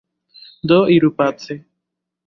Do iru pace!